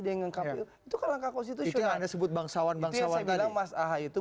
dengan kpu itu kalau langkah konstitusional disebut bangsawan bangsawan dari masah itu